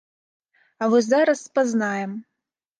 А вось зараз спазнаем.